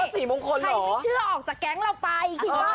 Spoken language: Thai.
ใครไม่เชื่อออกจากแก๊งเราไปคิดว่า